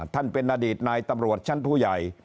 ท่านเป็นอดีตนายตำรวจชั้นผู้ใหญ่